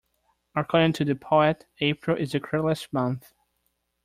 According to the poet, April is the cruellest month